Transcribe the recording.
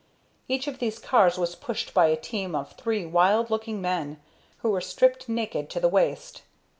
Each of these cars was pushed by a team of three wild looking men, who were stripped naked to the waist.